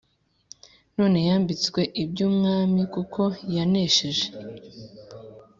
None yambitsw iry'ubwami Kuko yanesheje.